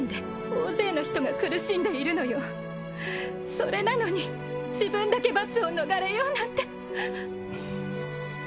それなのに自分だけ罰を逃れようなんて。